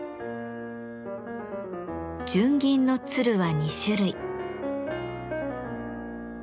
純銀の鶴は２種類。